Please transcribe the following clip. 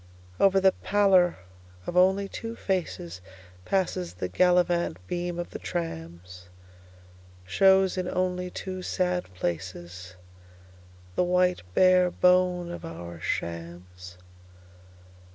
Over the pallor of only two facesPasses the gallivant beam of the trams; Shows in only two sad placesThe white bare bone of our shams.